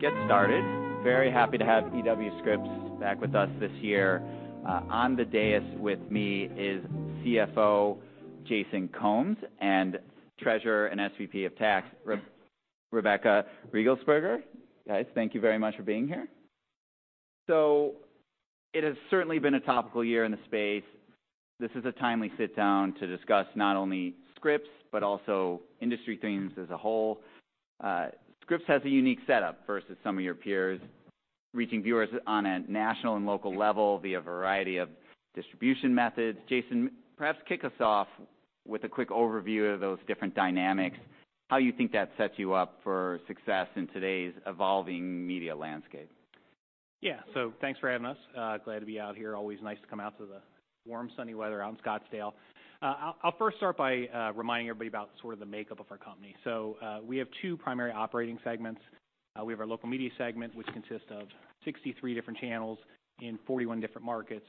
Get started. Very happy to have E.W. Scripps back with us this year. On the dais with me is CFO Jason Combs and Treasurer and SVP of Tax, Rebecca Riegelsberger. Guys, thank you very much for being here. So it has certainly been a topical year in the space. This is a timely sit-down to discuss not only Scripps, but also industry themes as a whole. Scripps has a unique setup versus some of your peers, reaching viewers on a national and local level via a variety of distribution methods. Jason, perhaps kick us off with a quick overview of those different dynamics, how you think that sets you up for success in today's evolving media landscape. Yeah. So thanks for having us. Glad to be out here. Always nice to come out to the warm, sunny weather out in Scottsdale. I'll first start by reminding everybody about sort of the makeup of our company. So, we have two primary operating segments. We have our local media segment, which consists of 63 different channels in 41 different markets.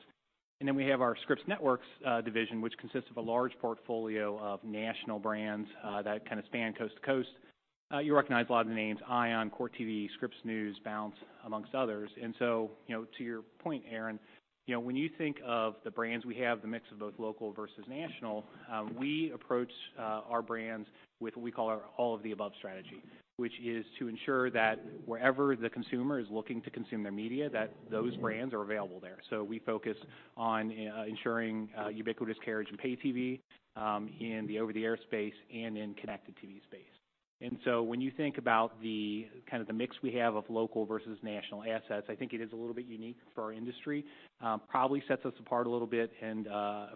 And then we have our Scripps Networks division, which consists of a large portfolio of national brands that kinda span coast to coast. You recognize a lot of the names: ION, Court TV, Scripps News, Bounce, amongst others. And so, you know, to your point, Aaron, you know, when you think of the brands we have, the mix of both local versus national, we approach our brands with what we call our all-of-the-above strategy, which is to ensure that wherever the consumer is looking to consume their media, that those brands are available there. So we focus on ensuring ubiquitous carriage and pay TV in the over-the-air space and in connected TV space. And so when you think about the kind of the mix we have of local versus national assets, I think it is a little bit unique for our industry. Probably sets us apart a little bit and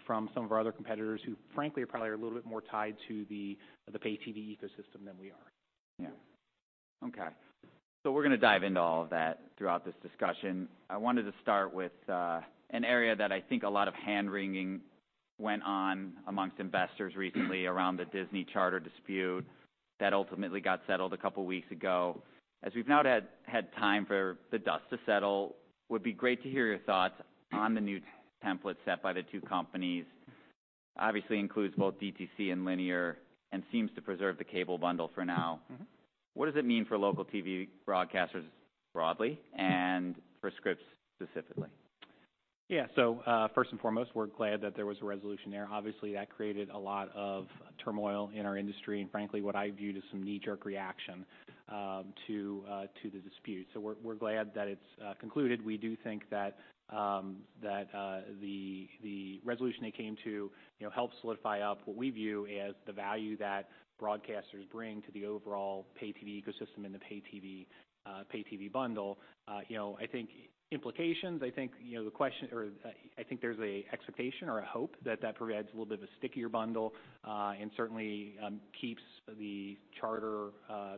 from some of our other competitors, who, frankly, are probably a little bit more tied to the pay TV ecosystem than we are. Yeah. Okay. So we're gonna dive into all of that throughout this discussion. I wanted to start with an area that I think a lot of hand-wringing went on among investors recently around the Disney Charter dispute that ultimately got settled a couple weeks ago. As we've now had time for the dust to settle, would be great to hear your thoughts on the new template set by the two companies. Obviously includes both DTC and linear, and seems to preserve the cable bundle for now. What does it mean for local TV broadcasters broadly and for Scripps specifically? Yeah, so first and foremost, we're glad that there was a resolution there. Obviously, that created a lot of turmoil in our industry, and frankly, what I viewed as some knee-jerk reaction to the dispute. So we're glad that it's concluded. We do think that the resolution they came to, you know, helps solidify up what we view as the value that broadcasters bring to the overall pay TV ecosystem and the pay TV bundle. You know, I think there's a expectation or a hope that that provides a little bit of a stickier bundle, and certainly keeps the Charter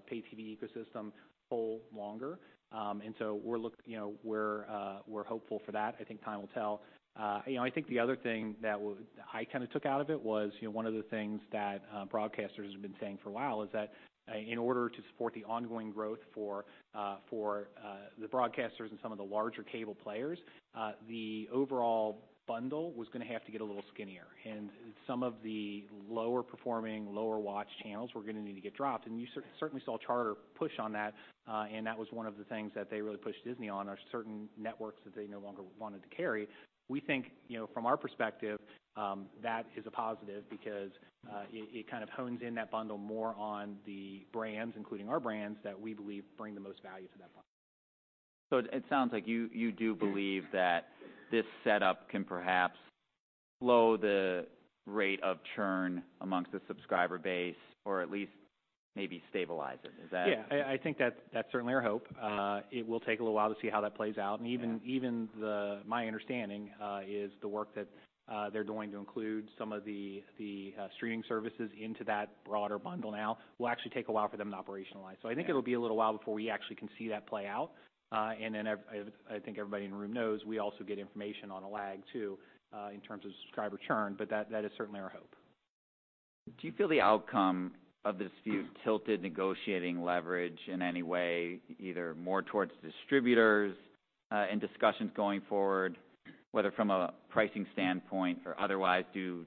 pay TV ecosystem whole longer. And so we're, you know, we're hopeful for that. I think time will tell. You know, I think the other thing that I kinda took out of it was, you know, one of the things that broadcasters have been saying for a while, is that in order to support the ongoing growth for for the broadcasters and some of the larger cable players, the overall bundle was gonna have to get a little skinnier, and some of the lower-performing, lower-watch channels were gonna need to get dropped. And you certainly saw Charter push on that, and that was one of the things that they really pushed Disney on, are certain networks that they no longer wanted to carry. We think, you know, from our perspective, that is a positive because it kind of hones in that bundle more on the brands, including our brands, that we believe bring the most value to that bundle. So it sounds like you do believe that this setup can perhaps slow the rate of churn among the subscriber base, or at least maybe stabilize it. Is that- Yeah, I think that's certainly our hope. It will take a little while to see how that plays out, and even- Yeah even the, my understanding, is the work that they're doing to include some of the streaming services into that broader bundle now will actually take a while for them to operationalize. Yeah. So I think it'll be a little while before we actually can see that play out. And then I think everybody in the room knows, we also get information on a lag, too, in terms of subscriber churn, but that, that is certainly our hope. Do you feel the outcome of this dispute tilted negotiating leverage in any way, either more towards distributors, in discussions going forward, whether from a pricing standpoint or otherwise? Do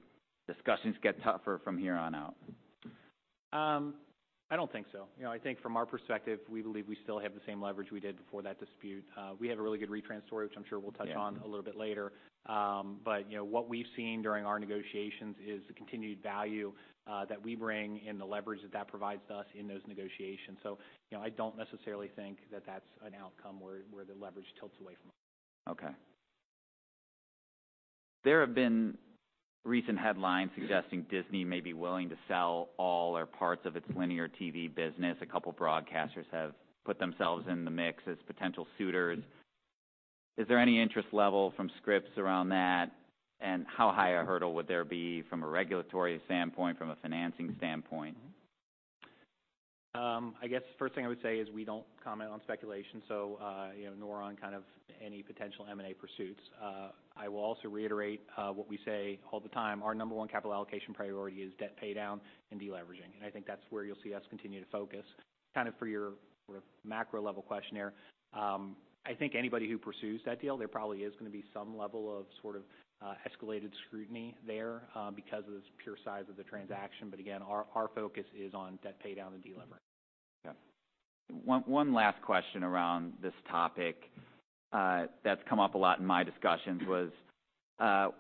discussions get tougher from here on out? I don't think so. You know, I think from our perspective, we believe we still have the same leverage we did before that dispute. We have a really good retrans story, which I'm sure we'll touch on- Yeah a little bit later. But, you know, what we've seen during our negotiations is the continued value that we bring and the leverage that that provides us in those negotiations. So, you know, I don't necessarily think that that's an outcome where the leverage tilts away from us. Okay. There have been recent headlines suggesting Disney may be willing to sell all or parts of its linear TV business. A couple broadcasters have put themselves in the mix as potential suitors. Is there any interest level from Scripps around that? And how high a hurdle would there be from a regulatory standpoint, from a financing standpoint? I guess first thing I would say is we don't comment on speculation, so, you know, nor on kind of any potential M&A pursuits. I will also reiterate what we say all the time, our number one capital allocation priority is debt paydown and de-leveraging, and I think that's where you'll see us continue to focus. Kind of for your sort of macro level question here... I think anybody who pursues that deal, there probably is gonna be some level of sort of escalated scrutiny there, because of the pure size of the transaction. But again, our, our focus is on debt paydown and delever. Okay. One last question around this topic that's come up a lot in my discussions was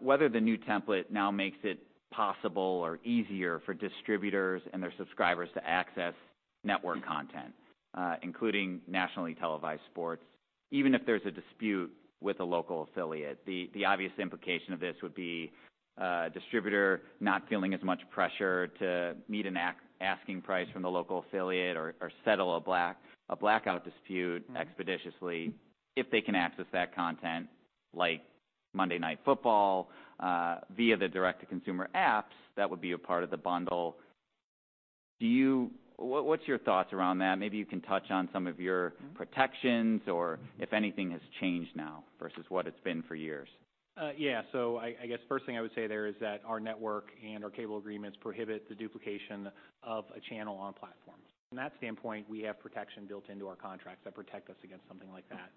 whether the new template now makes it possible or easier for distributors and their subscribers to access network content, including nationally televised sports, even if there's a dispute with a local affiliate. The obvious implication of this would be distributor not feeling as much pressure to meet an asking price from the local affiliate or settle a blackout dispute expeditiously if they can access that content, like Monday Night Football, via the direct-to-consumer apps that would be a part of the bundle. What's your thoughts around that? Maybe you can touch on some of your protections or if anything has changed now versus what it's been for years. Yeah. So I guess first thing I would say there is that our network and our cable agreements prohibit the duplication of a channel on platforms. From that standpoint, we have protection built into our contracts that protect us against something like that.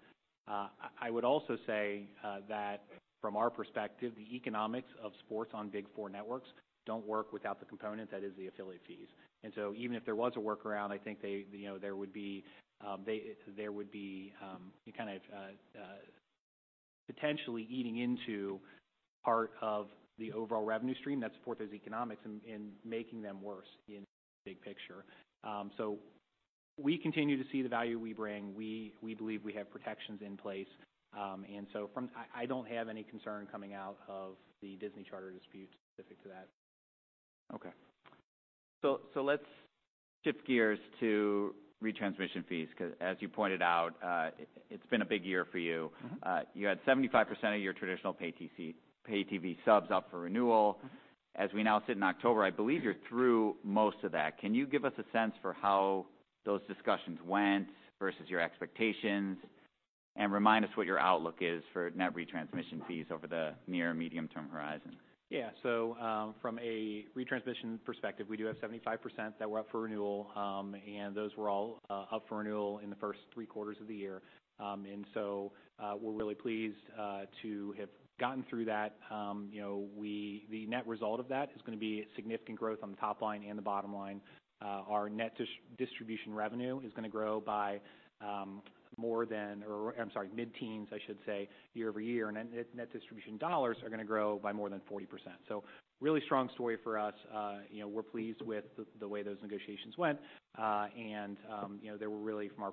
I would also say that from our perspective, the economics of sports on big four networks don't work without the component that is the affiliate fees. And so even if there was a workaround, I think they, you know, there would be a kind of potentially eating into part of the overall revenue stream that supports those economics and making them worse in the big picture. So we continue to see the value we bring. We believe we have protections in place. I don't have any concern coming out of the Disney-Charter dispute specific to that. Okay. So, let's shift gears to retransmission fees, 'cause as you pointed out, it's been a big year for you. You had 75% of your traditional Pay TV subs up for renewal. As we now sit in October, I believe you're through most of that. Can you give us a sense for how those discussions went versus your expectations? And remind us what your outlook is for net retransmission fees over the near medium-term horizon? Yeah. So, from a retransmission perspective, we do have 75% that were up for renewal, and those were all up for renewal in the first three quarters of the year. And so, we're really pleased to have gotten through that. You know, the net result of that is gonna be significant growth on the top line and the bottom line. Our net distribution revenue is gonna grow by more than... Or I'm sorry, mid-teens, I should say, year-over-year, and net distribution dollars are gonna grow by more than 40%. So really strong story for us. You know, we're pleased with the way those negotiations went, and you know, they were really, from our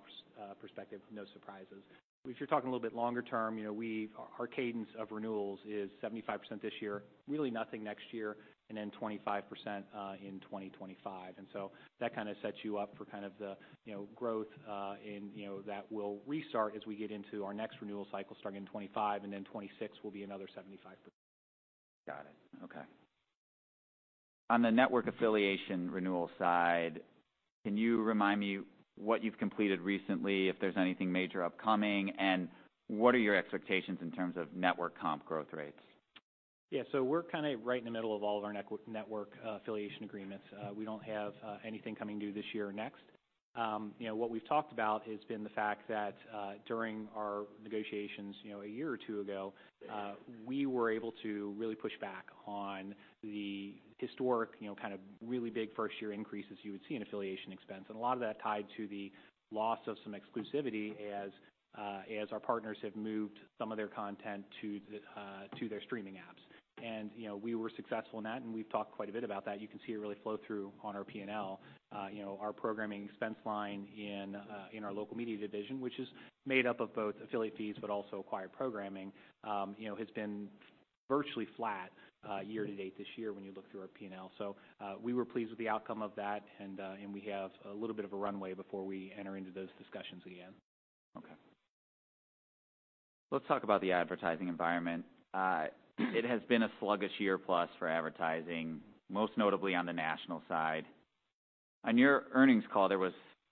perspective, no surprises. If you're talking a little bit longer term, you know, we've our cadence of renewals is 75% this year, really nothing next year, and then 25% in 2025. And so that kinda sets you up for kind of the, you know, growth in, you know, that will restart as we get into our next renewal cycle starting in 2025, and then 2026 will be another 75%. Got it. Okay. On the network affiliation renewal side, can you remind me what you've completed recently, if there's anything major upcoming, and what are your expectations in terms of network comp growth rates? Yeah, so we're kinda right in the middle of all of our network affiliation agreements. We don't have anything coming due this year or next. You know, what we've talked about has been the fact that during our negotiations, you know, a year or two ago, we were able to really push back on the historic, you know, kind of really big first-year increases you would see in affiliation expense. And a lot of that tied to the loss of some exclusivity as our partners have moved some of their content to their streaming apps. You know, we were successful in that, and we've talked quite a bit about that. You can see it really flow through on our P&L. You know, our programming expense line in our local media division, which is made up of both affiliate fees but also acquired programming, you know, has been virtually flat year-to-date this year when you look through our P&L. So, we were pleased with the outcome of that, and we have a little bit of a runway before we enter into those discussions again. Okay. Let's talk about the advertising environment. It has been a sluggish year plus for advertising, most notably on the national side. On your earnings call, there was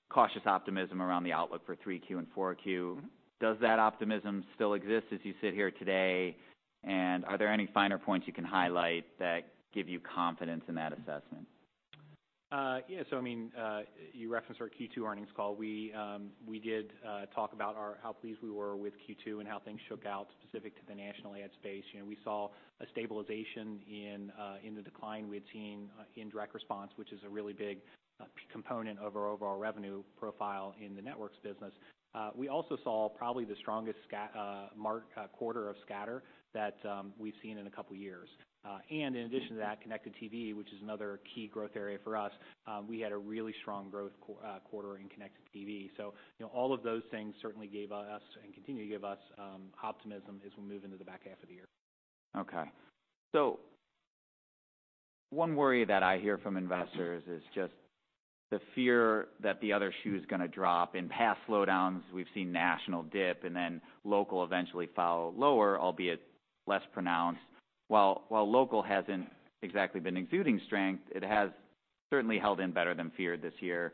cautious optimism around the outlook for 3Q and 4Q. Does that optimism still exist as you sit here today? And are there any finer points you can highlight that give you confidence in that assessment? Yeah, so I mean, you referenced our Q2 earnings call. We did talk about how pleased we were with Q2 and how things shook out specific to the national ad space. You know, we saw a stabilization in the decline we had seen in direct response, which is a really big component of our overall revenue profile in the networks business. We also saw probably the strongest scatter market quarter of scatter that we've seen in a couple of years. And in addition to that, connected TV, which is another key growth area for us, we had a really strong growth quarter in connected TV. So, you know, all of those things certainly gave us, and continue to give us, optimism as we move into the back half of the year. Okay. So one worry that I hear from investors is just the fear that the other shoe is gonna drop. In past slowdowns, we've seen national dip and then local eventually follow lower, albeit less pronounced. While local hasn't exactly been exuding strength, it has certainly held in better than feared this year.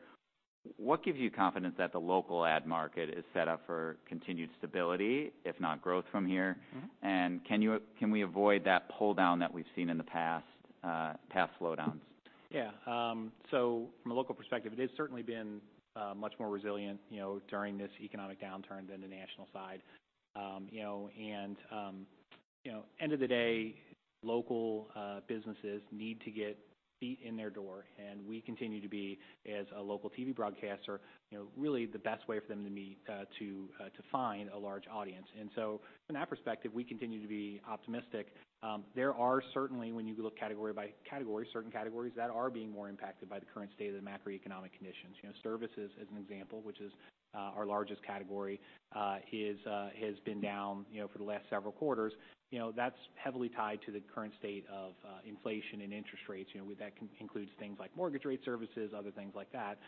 What gives you confidence that the local ad market is set up for continued stability, if not growth from here? Can we avoid that pull down that we've seen in the past, past slowdowns? Yeah, so from a local perspective, it has certainly been much more resilient, you know, during this economic downturn than the national side. You know, end of the day, local businesses need to get feet in their door, and we continue to be, as a local TV broadcaster, you know, really the best way for them to meet to find a large audience. So from that perspective, we continue to be optimistic. There are certainly, when you look category by category, certain categories that are being more impacted by the current state of the macroeconomic conditions. You know, services, as an example, which is our largest category, has been down, you know, for the last several quarters. You know, that's heavily tied to the current state of inflation and interest rates. You know, with that includes things like mortgage rate services, other things like that.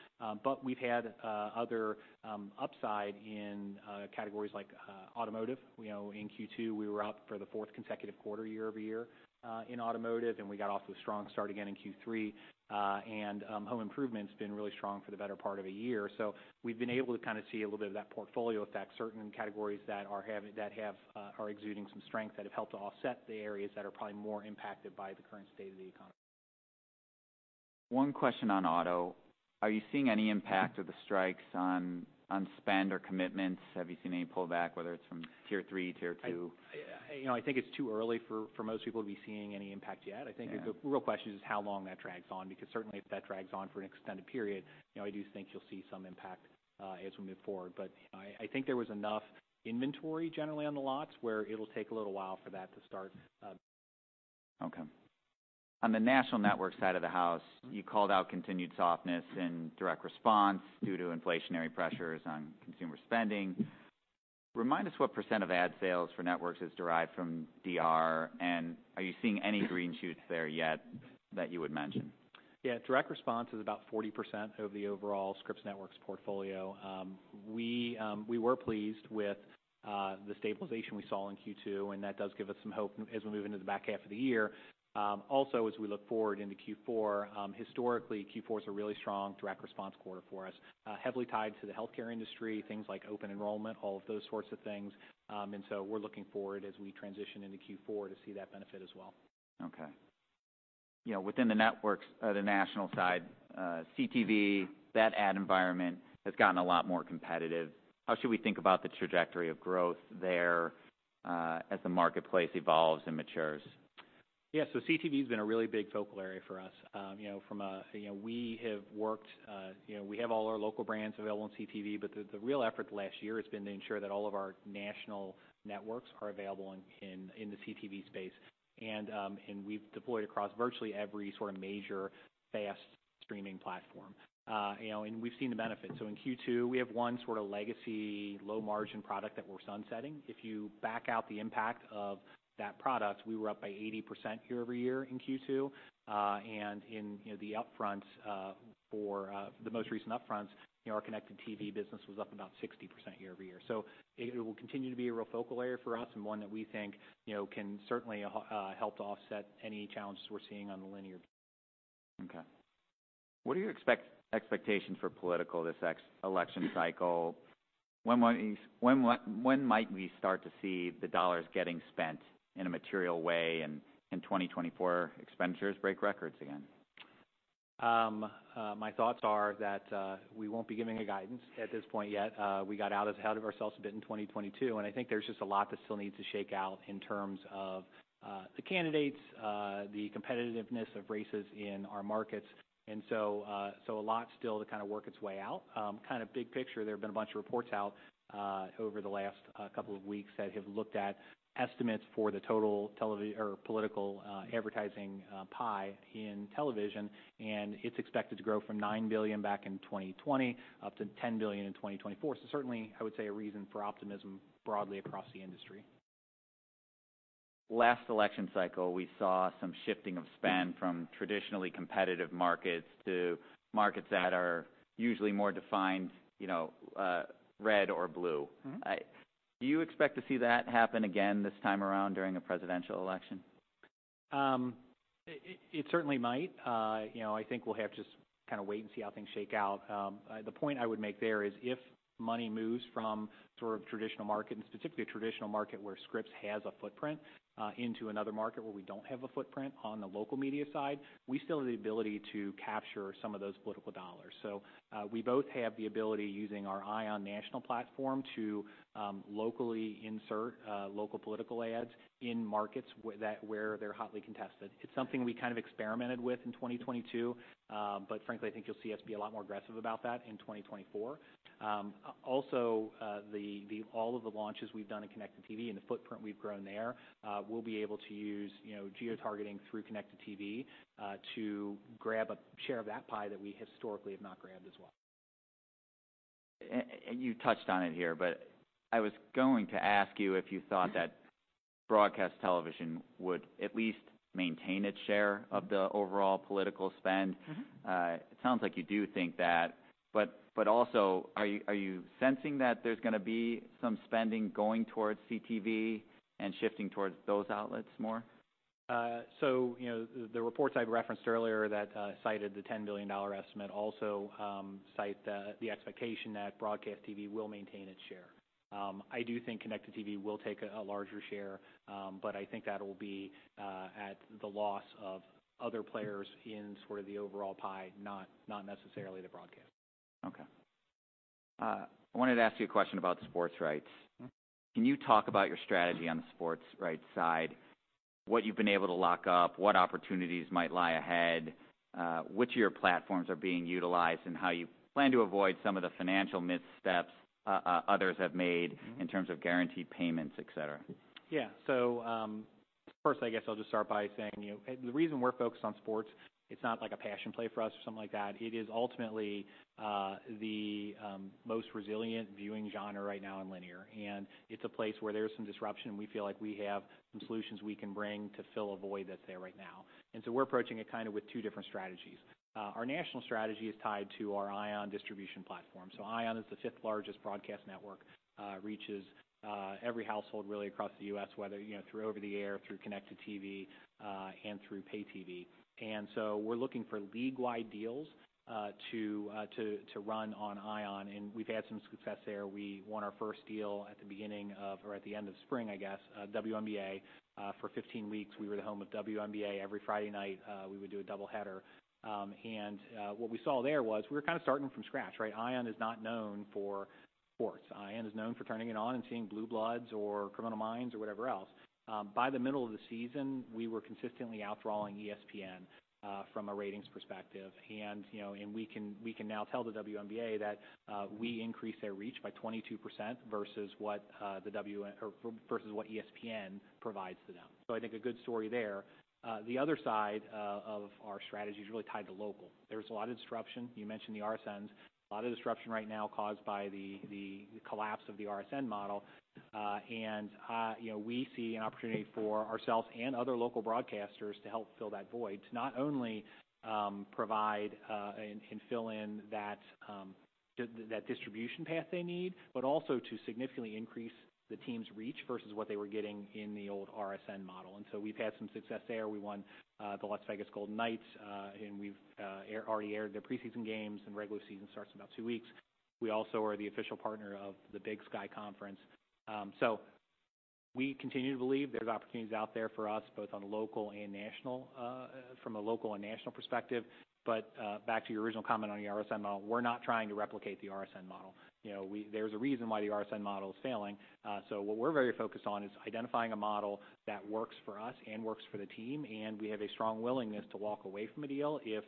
But we've had other upside in categories like automotive. You know, in Q2, we were up for the fourth consecutive quarter year-over-year in automotive, and we got off to a strong start again in Q3. And home improvement's been really strong for the better part of a year. So we've been able to kind of see a little bit of that portfolio effect, certain categories that have are exuding some strength, that have helped to offset the areas that are probably more impacted by the current state of the economy. One question on auto: Are you seeing any impact of the strikes on spend or commitments? Have you seen any pullback, whether it's from tier three, tier two? You know, I think it's too early for most people to be seeing any impact yet. Yeah. I think the real question is how long that drags on, because certainly if that drags on for an extended period, you know, I do think you'll see some impact, as we move forward. But I, I think there was enough inventory generally on the lots, where it'll take a little while for that to start, Okay. On the national network side of the house, you called out continued softness in direct response due to inflationary pressures on consumer spending. Remind us what % of ad sales for networks is derived from DR, and are you seeing any green shoots there yet that you would mention? Yeah. Direct response is about 40% of the overall Scripps Networks portfolio. We were pleased with the stabilization we saw in Q2, and that does give us some hope as we move into the back half of the year. Also, as we look forward into Q4, historically, Q4 is a really strong direct response quarter for us, heavily tied to the healthcare industry, things like open enrollment, all of those sorts of things. And so we're looking forward as we transition into Q4 to see that benefit as well. Okay. You know, within the networks, the national side, CTV, that ad environment has gotten a lot more competitive. How should we think about the trajectory of growth there, as the marketplace evolves and matures? Yeah. So CTV has been a really big focal area for us. You know, we have all our local brands available on CTV, but the real effort last year has been to ensure that all of our national networks are available in the CTV space. And we've deployed across virtually every sort of major FAST streaming platform, you know, and we've seen the benefit. So in Q2, we have one sort of legacy, low-margin product that we're sunsetting. If you back out the impact of that product, we were up by 80% year-over-year in Q2. And in the upfront for the most recent upfront, you know, our connected TV business was up about 60% year-over-year. So it will continue to be a real focal area for us and one that we think, you know, can certainly help to offset any challenges we're seeing on the linear. Okay. What are your expectations for this election cycle? When might we start to see the dollars getting spent in a material way, and in 2024, expenditures break records again? My thoughts are that we won't be giving a guidance at this point yet. We got ahead of ourselves a bit in 2022, and I think there's just a lot that still needs to shake out in terms of the candidates, the competitiveness of races in our markets, and so, so a lot still to kind of work its way out. Kind of big picture, there have been a bunch of reports out over the last couple of weeks that have looked at estimates for the total television or political advertising pie in television, and it's expected to grow from $9 billion back in 2020, up to $10 billion in 2024. So certainly, I would say a reason for optimism broadly across the industry. Last election cycle, we saw some shifting of spend from traditionally competitive markets to markets that are usually more defined, you know, red or blue. Do you expect to see that happen again this time around during a presidential election? It certainly might. You know, I think we'll have to just kind of wait and see how things shake out. The point I would make there is, if money moves from sort of traditional market, and specifically a traditional market where Scripps has a footprint, into another market where we don't have a footprint on the local media side, we still have the ability to capture some of those political dollars. So, we both have the ability, using our ION national platform, to locally insert local political ads in markets where they're hotly contested. It's something we kind of experimented with in 2022, but frankly, I think you'll see us be a lot more aggressive about that in 2024. Also, all of the launches we've done in Connected TV and the footprint we've grown there, we'll be able to use, you know, geotargeting through Connected TV, to grab a share of that pie that we historically have not grabbed as well. You touched on it here, but I was going to ask you if you thought that broadcast television would at least maintain its share of the overall political spend? It sounds like you do think that, but also, are you sensing that there's gonna be some spending going towards CTV and shifting towards those outlets more? So, you know, the reports I referenced earlier that cited the $10 billion estimate also cite the expectation that broadcast TV will maintain its share. I do think connected TV will take a larger share, but I think that will be at the loss of other players in sort of the overall pie, not necessarily the broadcast. Okay, I wanted to ask you a question about sports rights. Can you talk about your strategy on the sports rights side? What you've been able to lock up, what opportunities might lie ahead, which of your platforms are being utilized, and how you plan to avoid some of the financial missteps others have made- -in terms of guaranteed payments, et cetera? Yeah. So, first, I guess I'll just start by saying, you know, the reason we're focused on sports, it's not like a passion play for us or something like that. It is ultimately the most resilient viewing genre right now in linear, and it's a place where there's some disruption, and we feel like we have some solutions we can bring to fill a void that's there right now. And so we're approaching it kind of with two different strategies. Our national strategy is tied to our ION distribution platform. So ION is the fifth largest broadcast network, reaches every household really across the U.S., whether, you know, through over-the-air, through Connected TV, and through Pay TV. And so we're looking for league-wide deals, to run on ION, and we've had some success there. We won our first deal at the beginning of or at the end of spring, I guess, WNBA. For 15 weeks, we were the home of WNBA. Every Friday night, we would do a double header. And what we saw there was, we were kind of starting from scratch, right? ION is not known for sports. ION is known for turning it on and seeing Blue Bloods or Criminal Minds, or whatever else. By the middle of the season, we were consistently outdrawing ESPN from a ratings perspective. And, you know, and we can, we can now tell the WNBA that we increased their reach by 22% versus what ESPN provides to them. So I think a good story there. The other side of our strategy is really tied to local. There's a lot of disruption. You mentioned the RSNs. A lot of disruption right now caused by the collapse of the RSN model. And you know, we see an opportunity for ourselves and other local broadcasters to help fill that void, to not only provide and fill in that distribution path they need, but also to significantly increase the team's reach versus what they were getting in the old RSN model. And so we've had some success there. We won the Las Vegas Golden Knights, and we've already aired their preseason games, and regular season starts in about two weeks. We also are the official partner of the Big Sky Conference. So we continue to believe there's opportunities out there for us, both on local and national, from a local and national perspective. But, back to your original comment on the RSN model, we're not trying to replicate the RSN model. You know, there's a reason why the RSN model is failing. So what we're very focused on is identifying a model that works for us and works for the team, and we have a strong willingness to walk away from a deal if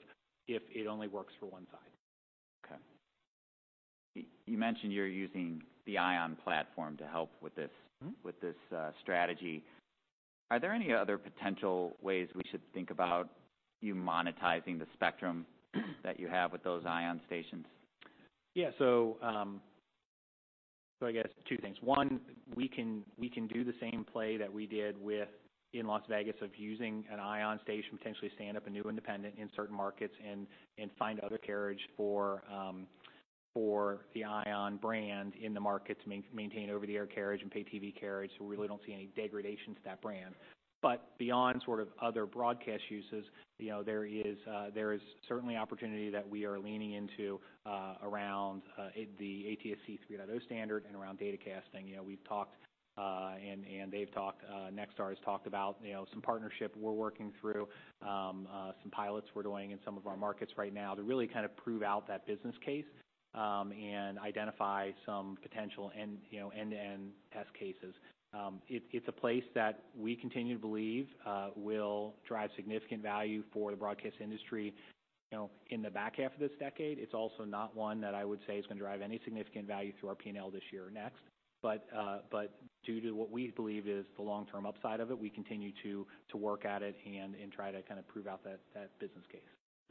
it only works for one side. Okay. You mentioned you're using the ION platform to help with this- with this, strategy. Are there any other potential ways we should think about you monetizing the spectrum that you have with those ION stations? Yeah. So, so I guess two things. One, we can do the same play that we did with in Las Vegas, of using an ION station, potentially stand up a new independent in certain markets and find other carriage for the ION brand in the markets, maintain over-the-air carriage and pay TV carriage. So we really don't see any degradation to that brand. But beyond sort of other broadcast uses, you know, there is certainly opportunity that we are leaning into around the ATSC 3.0 standard and around datacasting. You know, we've talked, and they've talked, Nexstar has talked about, you know, some partnership we're working through, some pilots we're doing in some of our markets right now to really kind of prove out that business case, and identify some potential end, you know, end-to-end test cases. It's a place that we continue to believe will drive significant value for the broadcast industry, you know, in the back half of this decade. It's also not one that I would say is going to drive any significant value to our P&L this year or next. But due to what we believe is the long-term upside of it, we continue to work at it and try to kind of prove out that business case.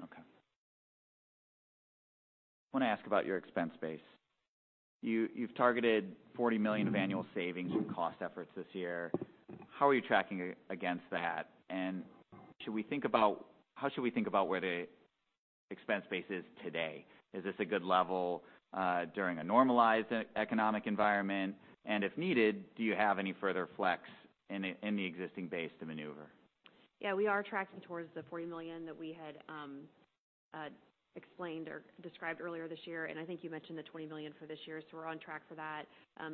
Okay. I want to ask about your expense base. You've targeted $40 million of annual savings from cost efforts this year. How are you tracking against that? And how should we think about where the expense base is today? Is this a good level during a normalized economic environment? And if needed, do you have any further flex in the existing base to maneuver? Yeah, we are tracking towards the $40 million that we had explained or described earlier this year, and I think you mentioned the $20 million for this year, so we're on track for that.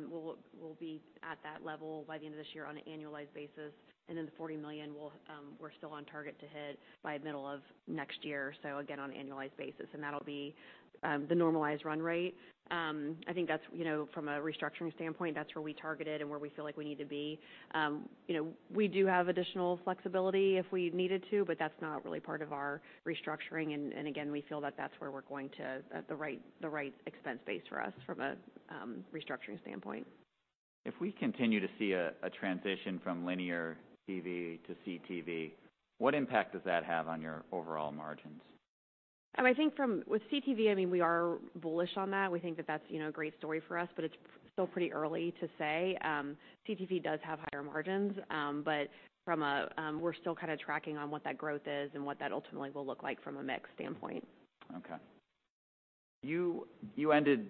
We'll be at that level by the end of this year on an annualized basis, and then the $40 million, we'll be still on target to hit by the middle of next year, so again, on an annualized basis. And that'll be the normalized run rate. I think that's, you know, from a restructuring standpoint, that's where we targeted and where we feel like we need to be. You know, we do have additional flexibility if we needed to, but that's not really part of our restructuring. And again, we feel that that's where we're going to... the right expense base for us from a restructuring standpoint. If we continue to see a transition from linear TV to CTV, what impact does that have on your overall margins? I think with CTV, I mean, we are bullish on that. We think that that's, you know, a great story for us, but it's still pretty early to say. CTV does have higher margins, but from a, we're still kind of tracking on what that growth is and what that ultimately will look like from a mix standpoint. Okay. You ended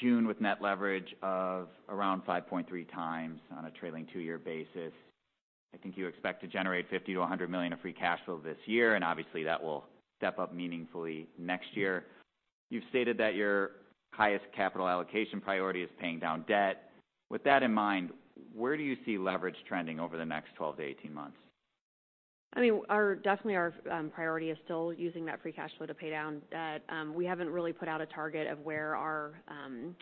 June with net leverage of around 5.3x on a trailing two-year basis. I think you expect to generate $50 million-$100 million of free cash flow this year, and obviously, that will step up meaningfully next year. You've stated that your highest capital allocation priority is paying down debt. With that in mind, where do you see leverage trending over the next 12-18 months? I mean, our definitely our priority is still using that free cash flow to pay down debt. We haven't really put out a target of where our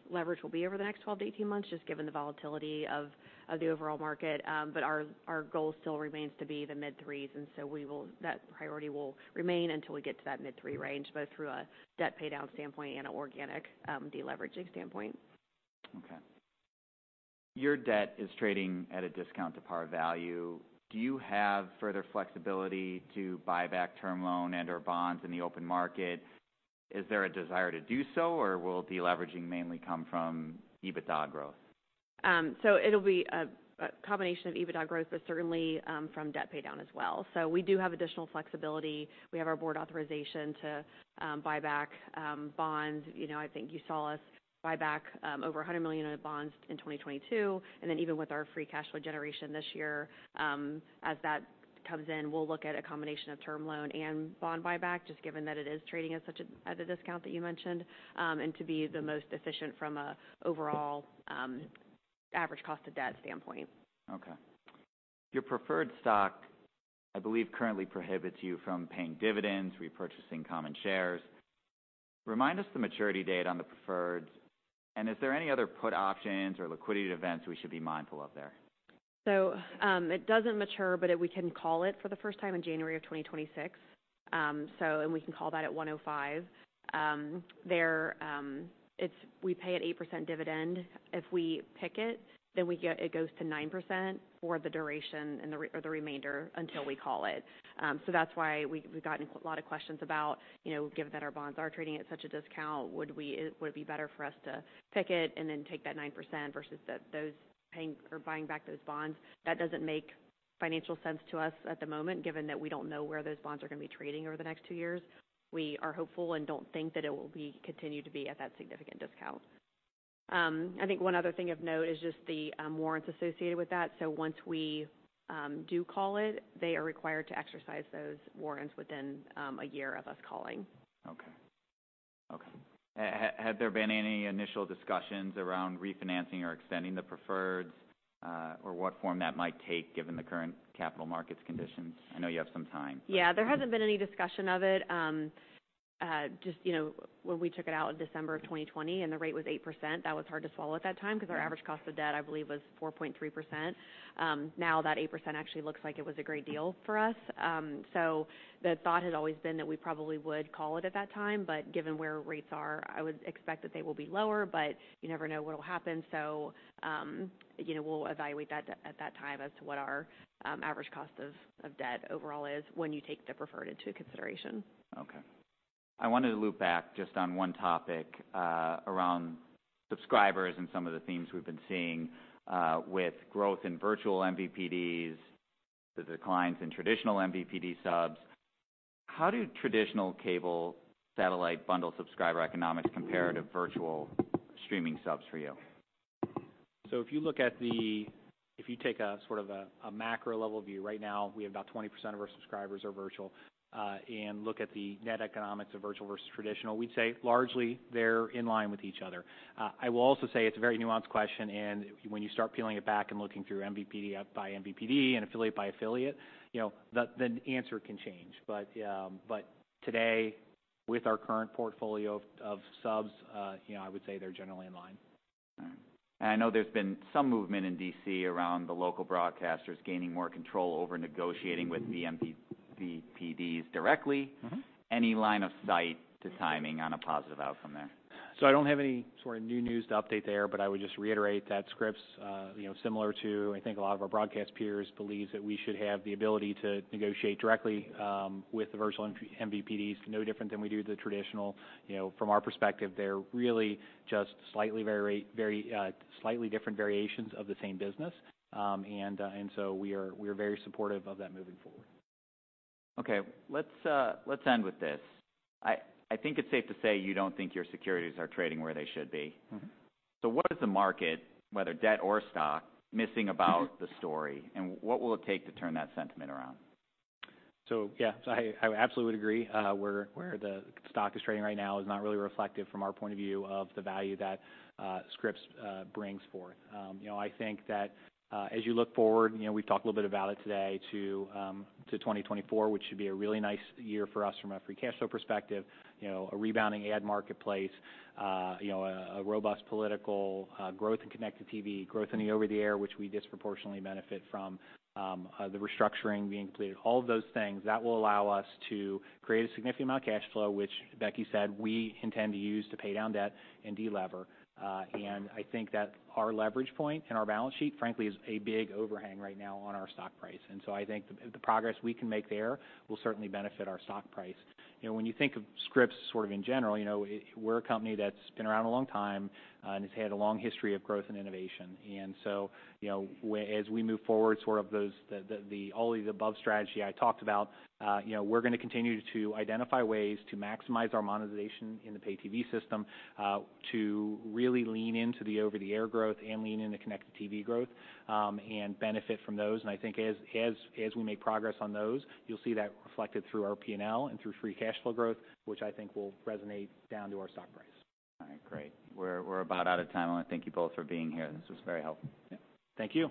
leverage will be over the next 12-18 months, just given the volatility of the overall market. But our goal still remains to be the mid-threes, and so we will, that priority will remain until we get to that mid-three range, both through a debt paydown standpoint and organic deleveraging standpoint. Okay. Your debt is trading at a discount to par value. Do you have further flexibility to buy back term loan and, or bonds in the open market? Is there a desire to do so, or will deleveraging mainly come from EBITDA growth? So it'll be a combination of EBITDA growth, but certainly from debt paydown as well. So we do have additional flexibility. We have our board authorization to buy back bonds. You know, I think you saw us buy back over $100 million in bonds in 2022, and then even with our free cash flow generation this year, as that comes in, we'll look at a combination of term loan and bond buyback, just given that it is trading at such a discount that you mentioned, and to be the most efficient from a overall average cost of debt standpoint. Okay. Your preferred stock, I believe, currently prohibits you from paying dividends, repurchasing common shares. Remind us the maturity date on the preferreds, and is there any other put options or liquidity events we should be mindful of there? So, it doesn't mature, but we can call it for the first time in January of 2026. So we can call that at 105. We pay an 8% dividend. If we PIK it, then we get. It goes to 9% for the duration and the remainder until we call it. So that's why we've gotten a lot of questions about, you know, given that our bonds are trading at such a discount, would it be better for us to PIK it and then take that 9% versus those paying or buying back those bonds? That doesn't make financial sense to us at the moment, given that we don't know where those bonds are gonna be trading over the next 2 years. We are hopeful and don't think that it will be, continue to be at that significant discount. I think one other thing of note is just the warrants associated with that. So once we do call it, they are required to exercise those warrants within a year of us calling. Okay. Okay. Has there been any initial discussions around refinancing or extending the preferreds, or what form that might take given the current capital markets conditions? I know you have some time. Yeah, there hasn't been any discussion of it. Just, you know, when we took it out in December of 2020, and the rate was 8%, that was hard to swallow at that time, because our average cost of debt, I believe, was 4.3%. Now that 8% actually looks like it was a great deal for us. So the thought has always been that we probably would call it at that time, but given where rates are, I would expect that they will be lower, but you never know what will happen. So, you know, we'll evaluate that at that time as to what our average cost of debt overall is when you take the preferred into consideration. Okay. I wanted to loop back just on one topic, around subscribers and some of the themes we've been seeing, with growth in virtual MVPDs, the declines in traditional MVPD subs. How do traditional cable, satellite, bundle subscriber economics compare to virtual streaming subs for you? If you take a sort of a macro-level view, right now, we have about 20% of our subscribers are virtual. And look at the net economics of virtual versus traditional, we'd say largely they're in line with each other. I will also say it's a very nuanced question, and when you start peeling it back and looking through MVPD by MVPD and affiliate by affiliate, you know, the answer can change. But today, with our current portfolio of subs, you know, I would say they're generally in line. I know there's been some movement in D.C. around the local broadcasters gaining more control over negotiating with the MVPDs directly. Any line of sight to timing on a positive outcome there? So I don't have any sort of new news to update there, but I would just reiterate that Scripps, you know, similar to, I think, a lot of our broadcast peers, believes that we should have the ability to negotiate directly with the virtual MVPDs, no different than we do the traditional. You know, from our perspective, they're really just slightly different variations of the same business. And so we are very supportive of that moving forward. Okay, let's, let's end with this. I think it's safe to say you don't think your securities are trading where they should be. So what is the market, whether debt or stock, missing about the story, and what will it take to turn that sentiment around? So yeah, I absolutely agree, where the stock is trading right now is not really reflective from our point of view of the value that Scripps brings forth. You know, I think that as you look forward, you know, we've talked a little bit about it today, to 2024, which should be a really nice year for us from a free cash flow perspective. You know, a rebounding ad marketplace, you know, a robust political, growth in connected TV, growth in the over-the-air, which we disproportionately benefit from, the restructuring being completed. All of those things that will allow us to create a significant amount of cash flow, which Becky said we intend to use to pay down debt and delever. I think that our leverage point and our balance sheet, frankly, is a big overhang right now on our stock price. And so I think the progress we can make there will certainly benefit our stock price. You know, when you think of Scripps, sort of in general, you know, it—we're a company that's been around a long time, and has had a long history of growth and innovation. And so, you know, as we move forward, sort of those, the all of the above strategy I talked about, you know, we're gonna continue to identify ways to maximize our monetization in the pay TV system, to really lean into the over-the-air growth and lean into connected TV growth, and benefit from those. I think as we make progress on those, you'll see that reflected through our P&L and through free cash flow growth, which I think will resonate down to our stock price. All right, great. We're about out of time. I want to thank you both for being here. This was very helpful. Thank you.